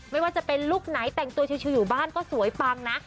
ไม่ว่าจะเป็นลุคไหนแต่งตัวชิวอยู่บ้านก็สวยปังนะ